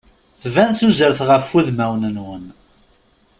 Tban tuzert ɣef udmawen-nwen.